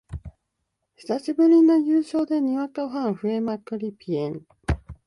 久しぶりの優勝でにわかファン増えまくり